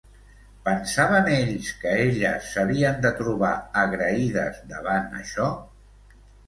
Pensaven ells que elles s'havien de trobar agraïdes davant això?